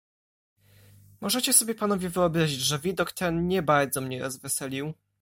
"Możecie sobie panowie wyobrazić, że widok ten nie bardzo mnie rozweselił."